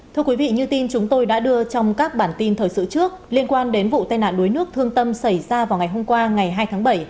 thưa quý vị như tin chúng tôi đã đưa trong các bản tin thời sự trước liên quan đến vụ tai nạn đuối nước thương tâm xảy ra vào ngày hôm qua ngày hai tháng bảy